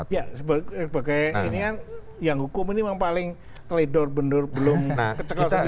ya sebagai ini kan yang hukum ini memang paling teledor bener belum kecelakaan